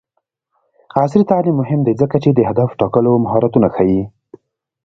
عصري تعلیم مهم دی ځکه چې د هدف ټاکلو مهارتونه ښيي.